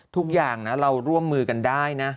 ทุกอย่างนะเราร่วมมือกันได้นะ